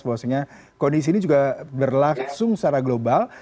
bahwasanya kondisi ini juga berlangsung secara global